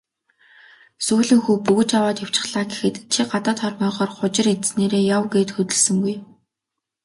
"Сүүлэн хүү бөгж аваад явчихлаа" гэхэд "Чи гадаад хормойгоор хужир идсэнээрээ яв" гээд хөдөлсөнгүй.